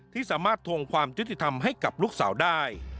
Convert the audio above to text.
ที่สามารถทวงความยุติธรรมให้กับลูกสาวได้